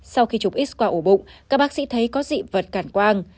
sau khi chụp x qua ổ bụng các bác sĩ thấy có dị vật cản quang